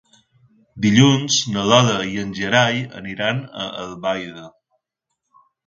Dilluns na Lola i en Gerai aniran a Albaida.